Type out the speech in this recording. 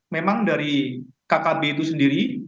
memang dari kkb itu sendiri